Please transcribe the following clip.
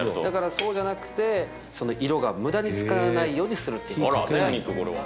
だからそうじゃなくて色が無駄に付かないようにするっていう。